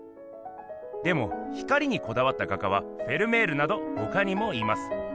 でも光にこだわった画家はフェルメールなどほかにもいます。